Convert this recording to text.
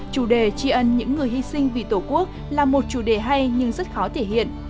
chủ đề tri ân những người hy sinh vì tổ quốc là một chủ đề hay nhưng rất khó thể hiện